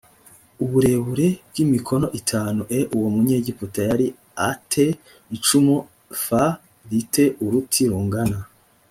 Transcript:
uburebure bw imikono itanu e uwo munyegiputa yari a te icumu f ri te uruti rungana